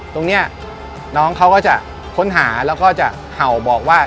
ตรงนี้น้องเขาก็จะค้นหาแล้วก็จะเห่าบอกว่า